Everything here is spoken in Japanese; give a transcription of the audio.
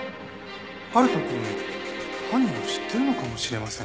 春人くん犯人を知ってるのかもしれません。